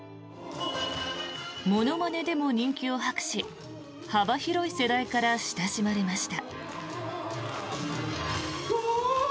ものまねでも人気を博し幅広い世代から親しまれました。